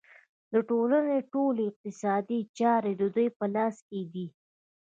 د ټولنې ټولې اقتصادي چارې د دوی په لاس کې دي